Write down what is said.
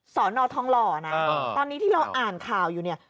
สอนอทองหล่อนะตอนนี้ที่เราอ่านข่าวอยู่เนี่ย